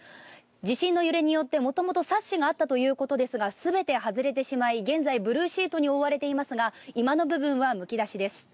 地震の揺れによってもともとサッシがあったということですが全て外れてしまい、現在ブルーシートに覆われていますが居間の部分はむき出しです。